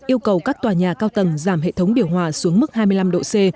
yêu cầu các tòa nhà cao tầng giảm hệ thống điều hòa xuống mức hai mươi năm độ c